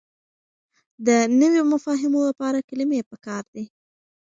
د نويو مفاهيمو لپاره کلمې پکار دي.